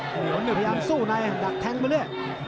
พยายามสู้ในดักแทงไปเลย